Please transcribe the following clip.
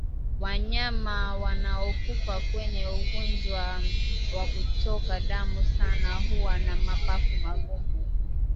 Wanyama wanaokufa kwa ugonjwa wakutoka damu sana huwa na mapafu magumu